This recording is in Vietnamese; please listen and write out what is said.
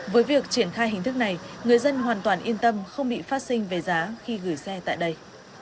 với việc triển khai hình thức này người dân hoàn toàn yên tâm không bị phát sinh về giá khi gửi xe tại đây